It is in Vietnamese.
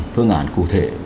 phương án cụ thể